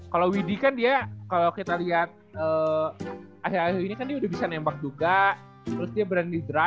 kalau widhi kan dia kalau kita lihat akhir akhir ini kan dia udah bisa nembak juga terus dia berani drive